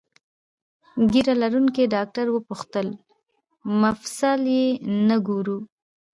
ږیره لرونکي ډاکټر وپوښتل: مفصل یې نه ګورو؟